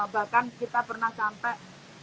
bahkan kita pernah sampai tiga ratus lima puluh